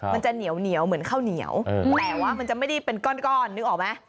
มันจะเหนียวเหมือนข้าวเหนียวแต่ว่ามันจะไม่ได้เป็นก้อนนึกออกไหม